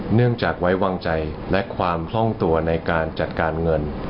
เนื่องจากไว้วางใจและความคล่องตัวในการจัดการเงิน